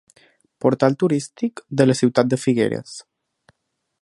Portal turístic de la ciutat de Figueres.